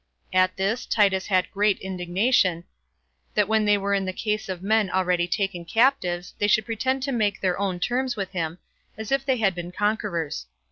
At this Titus had great indignation, that when they were in the case of men already taken captives, they should pretend to make their own terms with him, as if they had been conquerors.